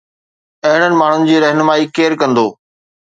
اهڙن ماڻهن جي رهنمائي ڪير ڪندو؟